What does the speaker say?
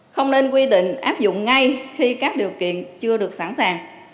không nên quy định áp dụng ngay khi các điều kiện chưa được sẵn sàng